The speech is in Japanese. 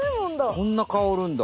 こんなかおるんだ。